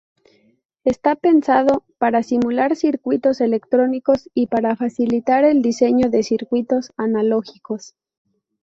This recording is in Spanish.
Está pensado para simular circuitos electrónicos y para facilitar el diseño de circuitos analógicos.